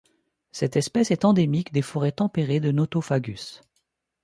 Cette espèce est endémique des forêts tempérées de Nothofagus.